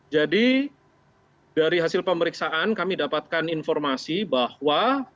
jadi dari hasil pemeriksaan kami dapatkan informasi bahwa